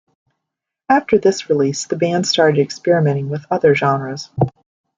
After this release, the band started experimenting with other genres.